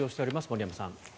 森山さん。